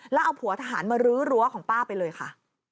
แล้วเอาผัวทหารมารื้อรั้วของป้าไปเลยค่ะ